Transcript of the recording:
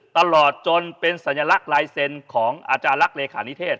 ตลอดจนเป็นสัญลักษณ์ลายเซ็นต์ของอาจารย์ลักษ์เลขานิเทศ